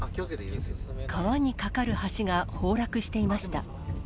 川に架かる橋が崩落していました。